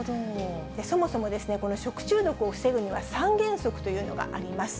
そもそもこの食中毒を防ぐには、３原則というのがあります。